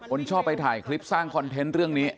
คนชอบไปถ่ายคลิปสร้างคอนเทนต์เรื่องนี้